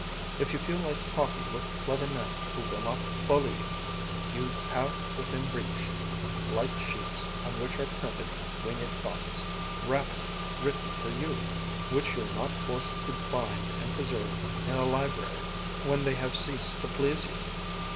If you feel like talking with clever men who will not bully you, you have within reach light sheets on which are printed winged thoughts, rapid, written for you, which you are not forced to bind and preserve in a library when they have ceased to please you.